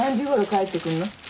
帰ってくんの？